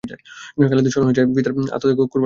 খালিদের স্মরণ হয়ে যায় তার পিতার ত্যাগ ও কুরবানীর কথা।